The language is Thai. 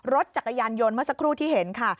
รถจักรยานยนต์เมื่อสักครู่ที่เห็นค่ะ